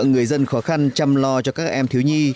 người dân khó khăn chăm lo cho các em thiếu nhi